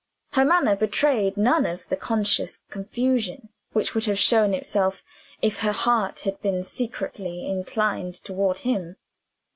Her manner betrayed none of the conscious confusion which would have shown itself, if her heart had been secretly inclined toward him.